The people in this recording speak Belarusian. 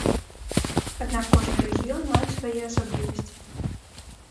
Аднак кожны рэгіён мае свае асаблівасці.